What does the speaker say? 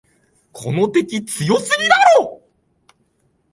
この敵、強すぎるだろ。